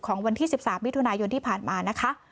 วันที่๑๓มิถุนายนที่ผ่านมานะคะ